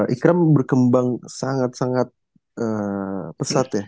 ikram berkembang sangat sangat pesat ya